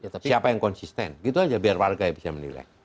siapa yang konsisten gitu aja biar warga bisa menilai